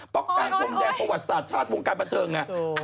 ภรรรยะโคมแดงประวัติศาสตร์ชาติปรุงการประเทิง